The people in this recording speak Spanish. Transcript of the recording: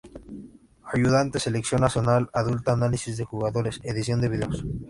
Ayudante Selección Nacional Adulta; Análisis de Jugadores, Edición de videos.